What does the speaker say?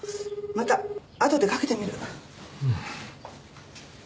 またあとでかけてみる。